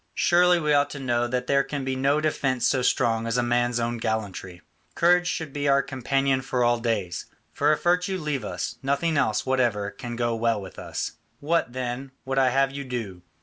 Surely we ought to know that there can be no defence so strong as a man's own gallantry. Courage should be our companion all our days. For if virtue leave us, nothing else whatever can go well with us. What, then, would I have you do?